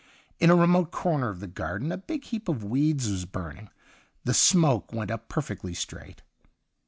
In a remote corner of the garden a big heap of weeds was burning ; the smoke went up perfectly straight.